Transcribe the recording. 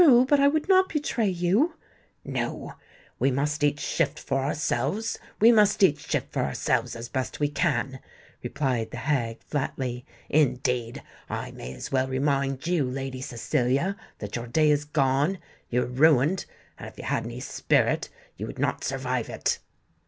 But I would not betray you." "No—we must each shift for ourselves—we must each shift for ourselves, as best we can," replied the hag flatly. "Indeed, I may as well remind you, Lady Cecilia, that your day is gone—you are ruined—and, if you had any spirit, you would not survive it!"